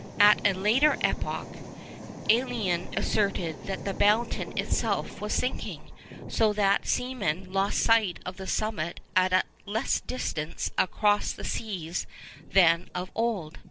At a later epoch, Ælian asserted that the mountain itself was sinking, so that seamen lost sight of the summit at a less distance across the seas than of old.